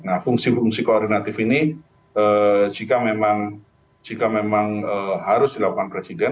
nah fungsi fungsi koordinatif ini jika memang harus dilakukan presiden